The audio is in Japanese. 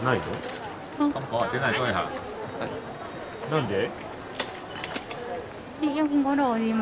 何で？